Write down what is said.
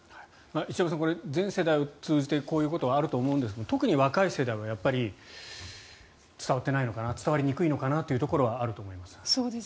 石山さん、全世代を通じてこういうことはあると思いますが特に若い世代は伝わってないのかな伝わりにくいのかなというところはあると思います。